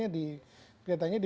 tapi kelihatannya di